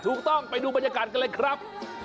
ถูกต้องไปดูบรรยากาศกันเลยครับ